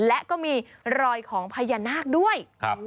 และก็มีรอยของพญานาคด้วย